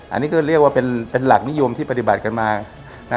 อันนี้ก็เรียกว่าเป็นหลักนิยมที่ปฏิบัติกันมานะ